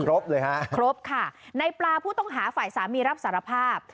ครบเลยฮะครบค่ะในปลาผู้ต้องหาฝ่ายสามีรับสารภาพ